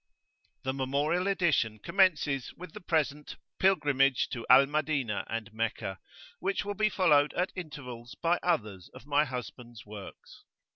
The Memorial Edition commences with the present "Pilgrimage to Al Madinah and Meccah," which will be followed at intervals by others of my husband's works.